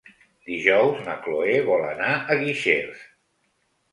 Dijous na Cloè vol anar a Guixers.